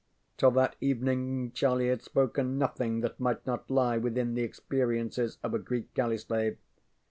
Till that evening Charlie had spoken nothing that might not lie within the experiences of a Greek galley slave.